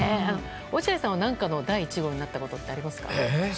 落合さんは何かの第１号になったことはありますか。